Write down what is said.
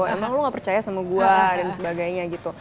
emang lu gak percaya sama gue dan sebagainya gitu